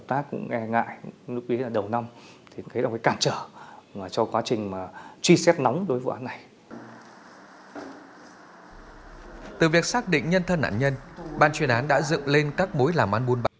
từ việc xác định nhân thân nạn nhân ban chuyên án đã dựng lên các mối làm ăn buôn bán